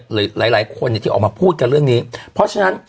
หลายหลายคนเนี่ยที่ออกมาพูดกันเรื่องนี้เพราะฉะนั้น